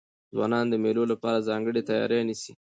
ځوانان د مېلو له پاره ځانګړې تیاری نیسي.